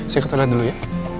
saya ketulan dulu ya